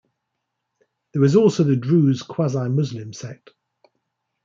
There is also the Druze quasi-Muslim sect.